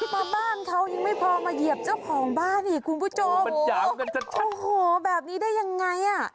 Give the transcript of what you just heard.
มาบ้านเค้ายังไม่พอมาเหยียบเจ้าของบ้านเนี่ยคุณผู้ชมโอโหแบบนี้ได้ยังไง